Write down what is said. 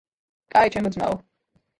კაი ჩემო ძმაო